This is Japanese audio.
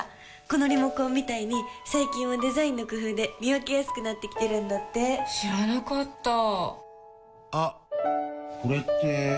このリモコンみたいに最近はデザインの工夫で見分けやすくなってきてるんだって知らなかったあっ、これって・・・